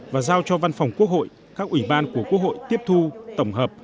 và giao cho văn phòng quốc hội các ủy ban của quốc hội tiếp thu tổng hợp